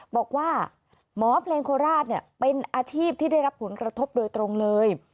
บอกว่าหมอเพลงโคราชเป็นอาชีพที่ได้รับผลกระทบโดยตรงเลย